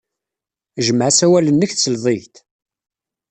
Jmeɛ asawal-nnek, tesled-iyi-d!